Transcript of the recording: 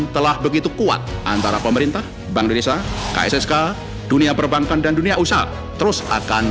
telah begitu kuat antara pemerintah bank desa kssk dunia perbankan dan dunia usaha terus akan